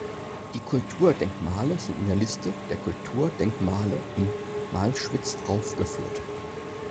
Die Kulturdenkmale sind in der Liste der Kulturdenkmale in Malschwitz aufgeführt.